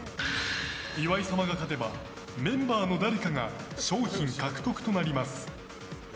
岩井様が勝てばメンバーの誰かが商品獲得となります。